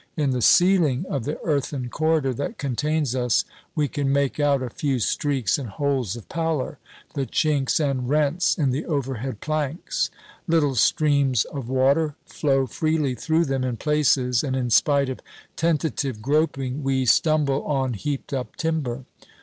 In the ceiling of the earthen corridor that contains us, we can make out a few streaks and holes of pallor the chinks and rents in the overhead planks. Little streams of water flow freely through them in places, and in spite of tentative groping we stumble on heaped up timber.